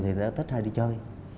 thì họ thích hay đi chơi